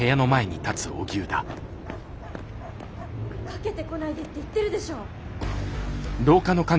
かけてこないでって言ってるでしょ！